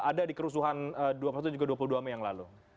ada di kerusuhan dua puluh satu dan dua puluh dua mei yang lalu